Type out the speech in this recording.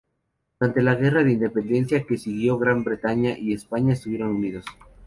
Durante la guerra de independencia que siguió, Gran Bretaña y España estuvieron unidos.